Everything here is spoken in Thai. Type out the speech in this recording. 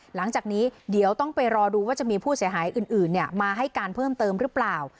หลังจากนี้เดี๋ยวต้องไปรอดูว่าจะมีผู้เสียหายอื่นมาให้การเพิ่มเติมหรือเปล่า